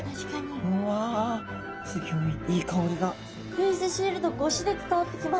フェースシールド越しで伝わってきます。